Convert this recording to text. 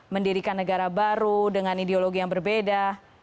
mendirikan negara baru dengan ideologi yang berbeda